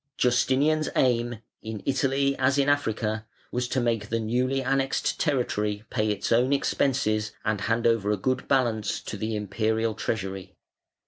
Justinian's aim, in Italy as in Africa, was to make the newly annexed territory pay its own expenses and hand over a good balance to the Imperial treasury.